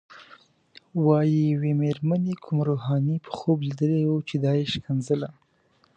وايي یوې مېرمنې کوم روحاني په خوب لیدلی و چې دا یې ښکنځله.